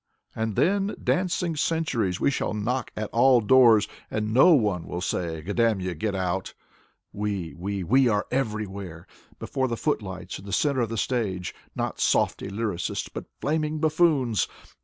And then dancing centuries. We shall knock at all doors And no one will say: Goddamyou, get out I We! We! We are everywhere: Before the footlights, in the center of the stage, Not softy lyricists, But flaming buffoons.